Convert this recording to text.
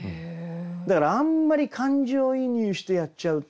だからあんまり感情移入してやっちゃうと。